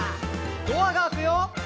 「ドアが開くよ」